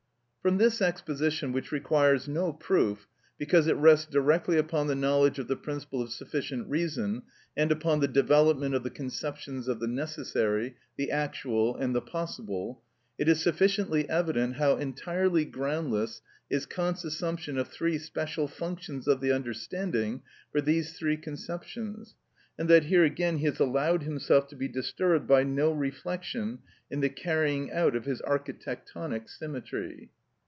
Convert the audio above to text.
From this exposition, which requires no proof because it rests directly upon the knowledge of the principle of sufficient reason and upon the development of the conceptions of the necessary, the actual, and the possible, it is sufficiently evident how entirely groundless is Kant's assumption of three special functions of the understanding for these three conceptions, and that here again he has allowed himself to be disturbed by no reflection in the carrying out of his architectonic symmetry.